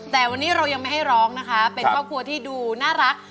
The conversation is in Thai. แต่วันนี้เรายังไม่ให้ร้องนะคะเป็นครอบครัวที่ดูน่ารัก